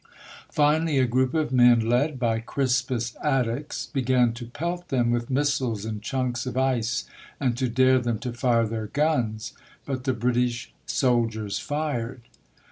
Finally a group of men led by Crispus Attucks began to pelt them with missiles and chunks of ice, and to dare them to fire their guns, but the British soldiers fired.